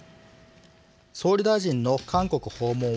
総理大臣の韓国訪問は５年ぶり。